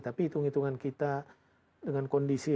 tapi hitung hitungan kita dengan kondisi